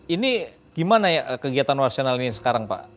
ini gimana ya kegiatan warsional ini sekarang pak